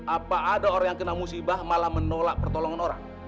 apa ada orang yang kena musibah malah menolak pertolongan orang